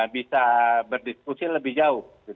bisa berdiskusi lebih jauh